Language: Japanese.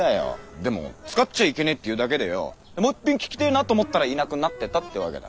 でも「使っちゃいけねえ」って言うだけでよォもういっぺん聞きてえなと思ったらいなくなってたってわけだ。